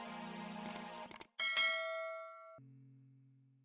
umi sebenernya kagak mau denger